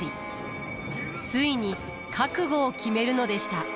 ついに覚悟を決めるのでした。